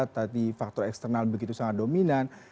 tadi faktor eksternal begitu sangat dominan